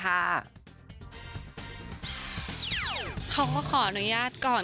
เขาก็ขออนุญาตก่อน